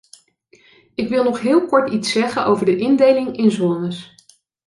Ik wil nog heel kort iets zeggen over de indeling in zones.